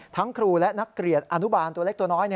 ครูและนักเรียนอนุบาลตัวเล็กตัวน้อย